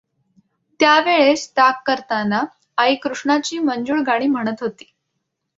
त्या वेळेस ताक करताना आई कृष्णाची मंजूळ गाणी म्हणत होती.